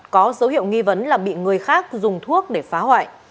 có dấu hiệu nghi vấn là bị người khác dùng thuốc để phá hoại